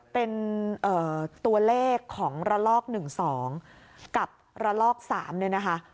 เป็นตัวเลขของระลอก๑๒กับระลอก๓เนี่ยนะคะ